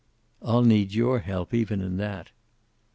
"I'll need your help, even in that."